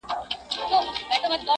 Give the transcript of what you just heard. بلا دې واخلمه ای پیغلې حیا